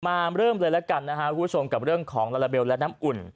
เริ่มเลยแล้วกันนะครับคุณผู้ชมกับเรื่องของลาลาเบลและน้ำอุ่น